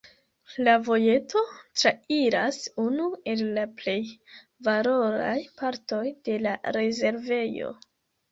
La vojeto trairas unu el la plej valoraj partoj de la rezervejo.